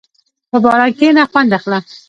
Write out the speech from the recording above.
په باران کښېنه، خوند اخله.